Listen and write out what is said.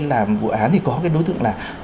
làm vụ án thì có cái đối tượng là